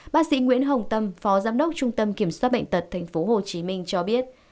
bác sĩ nguyễn hồng tâm phó giám đốc trung tâm kiểm soát bệnh tật thành phố hồ chí minh cho biết